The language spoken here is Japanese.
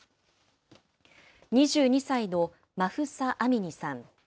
２２歳のマフサ・アミニさん。